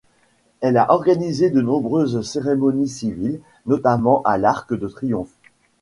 Elle a organisé de nombreuses cérémonies civiles, notamment à l'Arc de Triomphe.